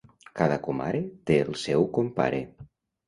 Cada comare té el seu compare.